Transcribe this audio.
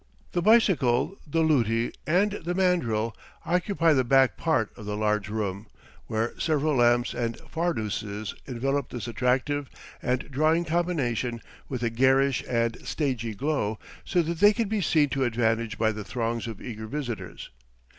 The bicycle, the luti, and the mandril occupy the back part of the large room, where several lamps and farnooses envelop this attractive and drawing combination with a garish and stagy glow, so that they can be seen to advantage by the throngs of eager visitors.